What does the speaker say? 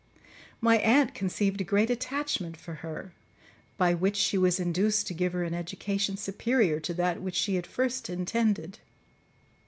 My aunt conceived a great attachment for her, by which she was induced to give her an education superior to that which she had at first intended.